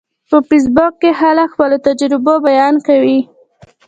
په فېسبوک کې خلک د خپلو تجربو بیان کوي